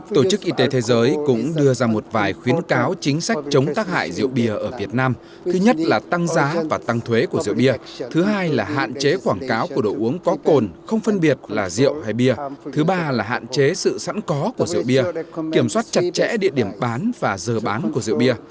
tổ chức y tế thế giới cũng đưa ra một vài khuyến cáo chính sách chống tác hại rượu bia ở việt nam thứ nhất là tăng giá và tăng thuế của rượu bia thứ hai là hạn chế quảng cáo của đồ uống có cồn không phân biệt là rượu hay bia thứ ba là hạn chế sự sẵn có của rượu bia kiểm soát chặt chẽ địa điểm bán và giờ bán của rượu bia